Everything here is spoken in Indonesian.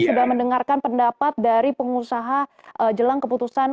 sudah mendengarkan pendapat dari pengusaha jelang keputusan